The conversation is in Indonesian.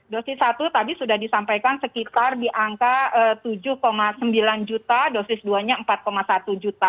dosis satu tadi sudah disampaikan sekitar di angka tujuh sembilan juta dosis dua nya empat satu juta